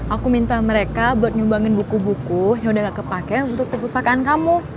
aku minta mereka buat nyumbangin buku buku yang udah gak kepake untuk perpustakaan kamu